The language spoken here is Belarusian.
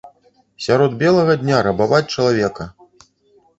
Сярод белага дня рабаваць чалавека!